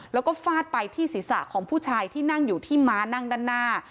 แล้วก็ฟาดไปที่ศีรษะของผู้ชายที่นั่งอยู่ที่ม้านั่งด้านหน้า